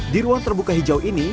di ruang terbuka hijau ini